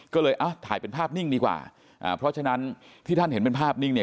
ก็เลยอ่ะถ่ายเป็นภาพนิ่งดีกว่าอ่าเพราะฉะนั้นที่ท่านเห็นเป็นภาพนิ่งเนี่ย